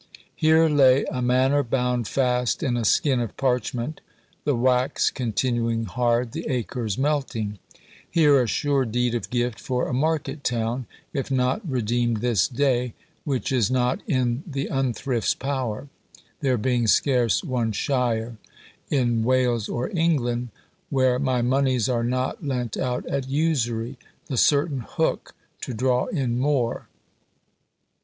Here lay A manor bound fast in a skin of parchment, The wax continuing hard, the acres melting; Here a sure deed of gift for a market town, If not redeem'd this day, which is not in The unthrift's power; there being scarce one shire In Wales or England, where my monies are not Lent out at usury, the certain hook To draw in more.